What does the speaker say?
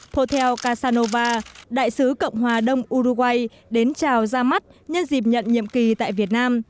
poteel kasanova đại sứ cộng hòa đông uruguay đến chào ra mắt nhân dịp nhận nhiệm kỳ tại việt nam